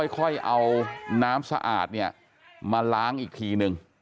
ค่อยเอาน้ำสะอาดเนี่ยมาล้างอีกทีนึง